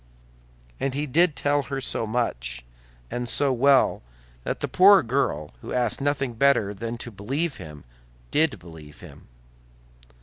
And he did tell her so much, and so well, that the poor girl, who asked nothing better than to believe him, did believe him.